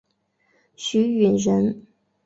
许允人。